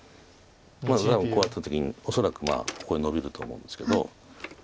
まずこうやった時に恐らくまあここにノビると思うんですけど。